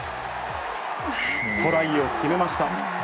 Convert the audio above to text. トライを決めました。